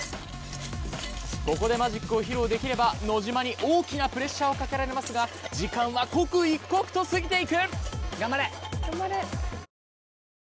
ここでマジックを披露できれば野島に大きなプレッシャーをかけられますが時間は刻一刻と過ぎていく！